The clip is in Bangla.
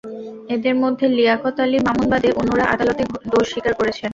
এঁদের মধ্যে লিয়াকত আলী মামুন বাদে অন্যরা আদালতে দোষ স্বীকার করেছেন।